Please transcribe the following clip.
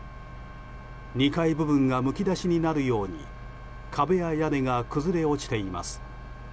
２階部分がむき出しになるように壁や屋根が崩れ落ちています。